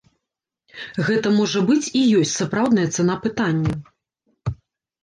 Гэта, можа быць, і ёсць сапраўдная цана пытання.